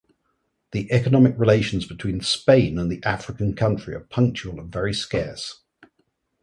The economic relations between Spain and the African country are punctual and very scarce.